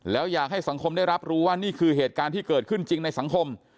แล้วอยากให้สังคมได้รับรู้ว่านี่คือเหตุการณ์ที่เกิดขึ้นจริงในสังคม